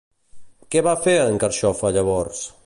Què va fer en Carxofa llavors?